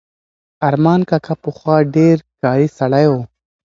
ارمان کاکا پخوا ډېر کاري سړی و.